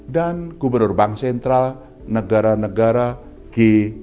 dan gubernur bank sentral negara negara g dua puluh